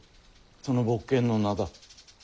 その木剣の名だ。